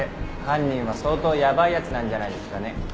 犯人は相当やばい奴なんじゃないですかね。